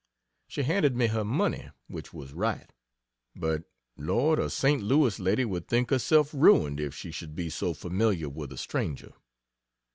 She handed me her money, which was right. But, Lord! a St. Louis lady would think herself ruined, if she should be so familiar with a stranger.